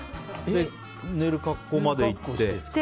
寝る格好までいって？